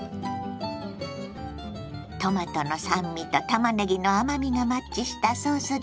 トマトの酸味とたまねぎの甘みがマッチしたソースです。